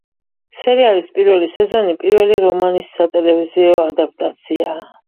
სერიალის პირველი სეზონი პირველი რომანის სატელევიზიო ადაპტაციაა.